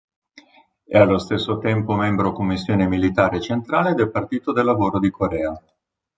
E' allo stesso tempo membro Commissione militare centrale del Partito del Lavoro di Corea.